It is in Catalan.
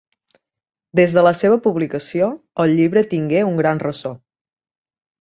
Des de la seva publicació, el llibre tingué un gran ressò.